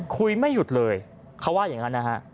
ไม่หยุดเลยเขาว่าอย่างนั้นนะฮะ